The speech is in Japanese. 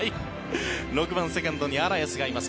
６番、セカンドにアラエスがいます。